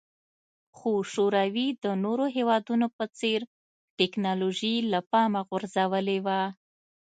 خو شوروي د نورو هېوادونو په څېر ټکنالوژي له پامه غورځولې وه